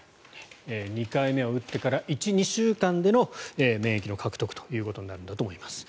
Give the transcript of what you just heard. ２回目を打ってから１２週間での免疫の獲得ということになるんだと思います。